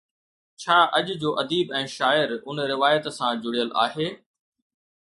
ڇا اڄ جو اديب ۽ شاعر ان روايت سان جڙيل آهي؟